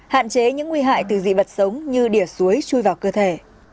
hạn chế những nguy hại từ dị vật sống như đỉa suối chui vào cơ thể